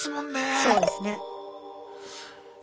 そうですね。え